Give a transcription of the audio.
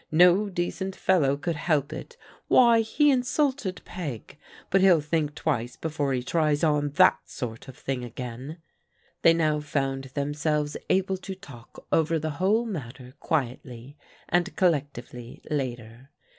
" No decent fellow could help it. Why, he insulted Peg, — ^but he'll think twice before he tries on that sort of thing again." They now found themselves able to talk over the whole matter quietly and collectively, later.